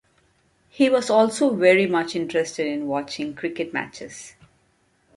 He was also very much interested in watching cricket matches.